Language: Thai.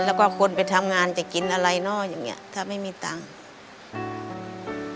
แล้วก็คนไปทำงานจะกินอะไรเนาะอย่างเงี้ถ้าไม่มีตังค์